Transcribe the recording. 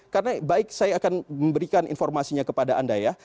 karena baik saya akan memberikan informasinya kepada anda ya